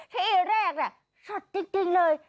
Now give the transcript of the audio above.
ที่แรกสดจริงเลย